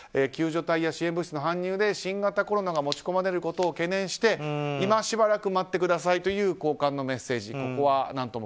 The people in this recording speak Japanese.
救助隊や支援物資の搬入で新型コロナが持ち込まれることを懸念して今しばらく待ってくださいという高官のメッセージ